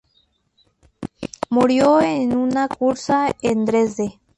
Murió en una cursa en Dresde.